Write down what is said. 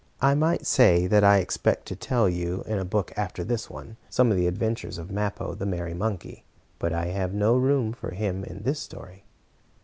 I might say that I expect to tell you, in a book after this one, some of the adventures of Mappo, the merry monkey, but I have no room for him in this story.